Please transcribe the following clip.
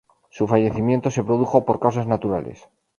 Su fallecimiento se produjo por causas naturales.